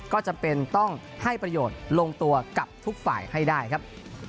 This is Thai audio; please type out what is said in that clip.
ก็จำเป็นต้องให้ประโยชน์ลงตัวกับทุกฝ่ายให้ได้ครับ